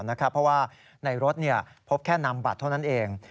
เพราะว่าในรถพบแค่นำบัตรเท่านั้นเอง